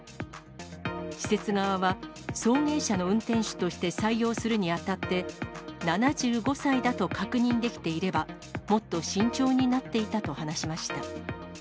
施設側は、送迎車の運転手として採用するにあたって、７５歳だと確認できていれば、もっと慎重になっていたと話しました。